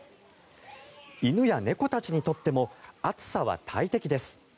犬や猫たちにとっても暑さは大敵です。